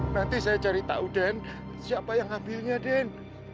nanti saya cari tahu den siapa yang ambilnya den